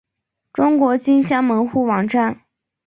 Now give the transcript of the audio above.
中国金乡门户网站